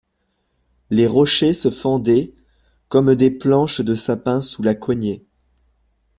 Les rochers se fendaient comme des planches de sapin sous la cognée.